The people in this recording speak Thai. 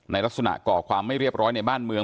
ลักษณะก่อความไม่เรียบร้อยในบ้านเมือง